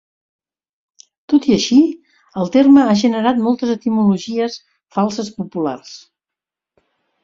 Tot i així, el terme ha generat moltes etimologies falses populars.